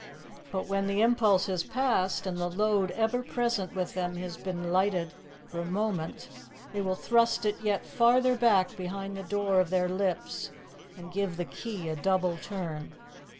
But when the impulse is past, and the load ever present with them has been lightened for a moment, they will thrust it yet farther back behind the door of their lips, and give the key a double turn.